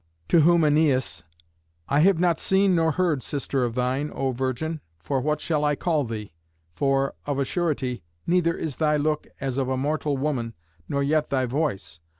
To whom Æneas, "I have not seen nor heard sister of thine, O virgin for what shall I call thee? for, of a surety, neither is thy look as of a mortal woman, nor yet thy voice.